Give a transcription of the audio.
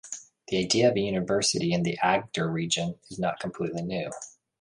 The idea of a university in the Agder region is not completely new.